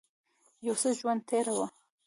یو څه ژرنده تېره وه.